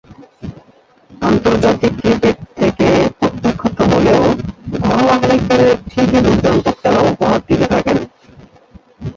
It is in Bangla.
আন্তর্জাতিক ক্রিকেট থেকে প্রত্যাখ্যাত হলেও ঘরোয়া ক্রিকেটে ঠিকই দূর্দান্ত খেলা উপহার দিতে থাকেন।